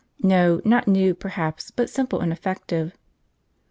No, not new, perhaps, but simple and effective.